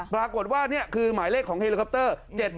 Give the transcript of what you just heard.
ปรากฏว่านี่คือหมายเลขของเฮลิคอปเตอร์